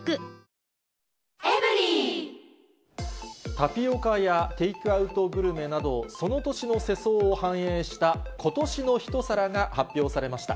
タピオカや、テイクアウトグルメなど、その年の世相を反映した今年の一皿が発表されました。